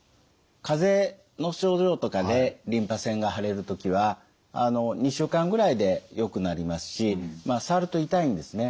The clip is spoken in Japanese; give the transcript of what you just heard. かぜの症状とかでリンパ腺が腫れる時は２週間ぐらいでよくなりますしまあ触ると痛いんですね。